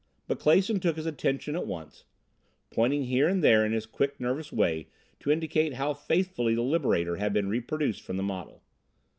But Clason took his attention at once, pointing here and there in his quick, nervous way to indicate how faithfully the Liberator had been reproduced from the model.